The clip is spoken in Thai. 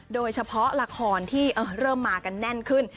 โดยเฉพาะละครที่เริ่มมากันแน่นขึ้น